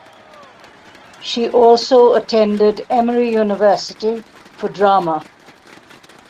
She also attended Emory University for drama.